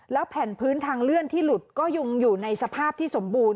แผ่นพื้นทางเลื่อนที่หลุดก็ยุงอยู่ในสภาพที่สมบูรณ